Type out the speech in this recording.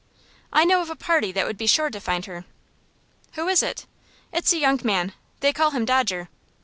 "I know of a party that would be sure to find her." "Who is it?" "It's a young man. They call him Dodger.